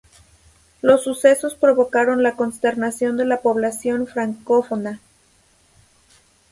Los sucesos provocaron la consternación de la población francófona.